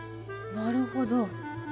なるほど。